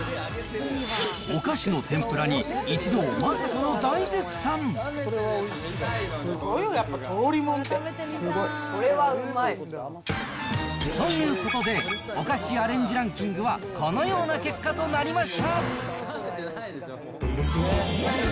おかしの天ぷらに一同、まさすごいよやっぱり、通りもんこれはうまい。ということで、おかしアレンジランキングはこのような結果となりました。